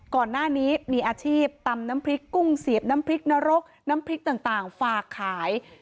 ก่อนหน้านี้มีอาชีพตำน้ำพริกกุ้งเสียบน้ำพริกนรกน้ำพริกต่างฝากขาย